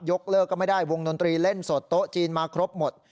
เลิกก็ไม่ได้วงดนตรีเล่นสดโต๊ะจีนมาครบหมด